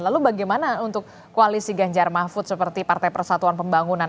lalu bagaimana untuk koalisi ganjar mahfud seperti partai persatuan pembangunan